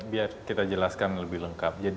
biar kita jelaskan lebih lengkap